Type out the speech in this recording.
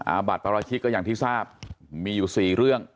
อาบัติปราชิกก็อย่างที่ทราบมีอยู่๔เรื่อง